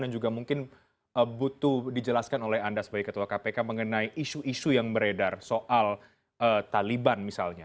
dan juga mungkin butuh dijelaskan oleh anda sebagai ketua kpk mengenai isu isu yang beredar soal taliban misalnya